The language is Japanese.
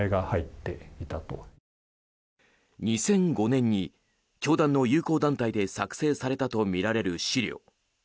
２００５年に教団の友好団体で作成されたとみられる史料。